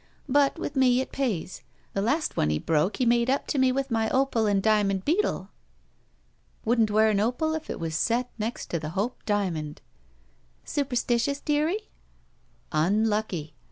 But, with me, it pays. The last one he broke he made up to me with my opal and diamond beetle." "Wouldn't wear an opal if it was set next to the Hope diamond." "Superstitious, dearie?" "Unlucky.